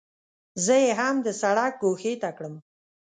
زه یې هم د سړک ګوښې ته کړم.